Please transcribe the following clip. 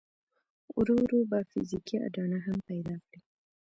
ورو ورو به فزيکي اډانه هم پيدا کړي.